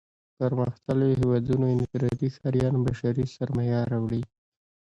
پرمختلليو هېوادونو انفرادي ښاريان بشري سرمايه راوړي.